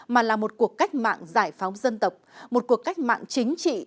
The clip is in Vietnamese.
mà là một cuộc cách mạng giải phóng dân tộc một cuộc cách mạng chính trị